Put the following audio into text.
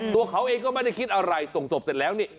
ตัวเขาเองก็ไม่ได้คิดอะไรส่งศพเสร็จแล้วนี่